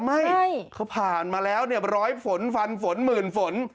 ไม่เขาผ่านมาแล้วเนี่ยร้อยฝนฟันฝนหมื่นฝน